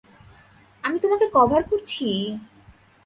আমি তোমাকে কভার করছি!